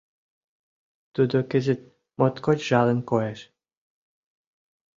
Тудо кызыт моткоч жалын коеш.